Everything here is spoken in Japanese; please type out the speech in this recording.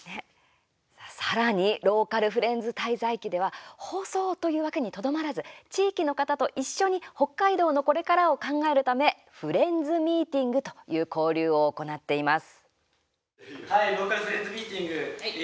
さあ、さらに「ローカルフレンズ滞在記」では放送という枠にとどまらず地域の方と一緒に北海道のこれからを考えるためフレンズミーティングという交流を行っています。